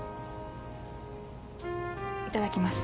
いただきます。